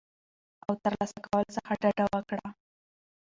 او ترلاسه کولو څخه ډډه وکړه